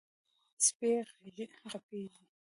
سپي غپېږي.